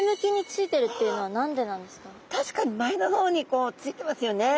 確かに前の方にこうついてますよね。